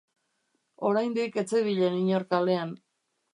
Oraindik ez zebilen inor kalean.